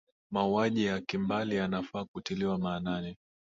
mauaji ya kimbali yanafaa kutiliwa maanani